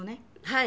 はい。